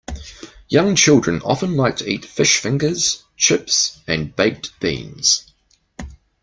Young children often like to eat fish fingers, chips and baked beans